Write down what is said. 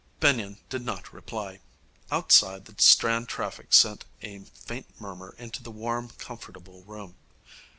Benyon did not reply. Outside, the Strand traffic sent a faint murmur into the warm, comfortable room.